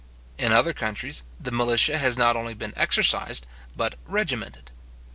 In other countries, the militia has not only been exercised, but regimented.